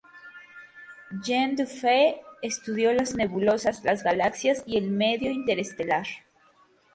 Jean Dufay estudió las nebulosas, las galaxias y el medio interestelar.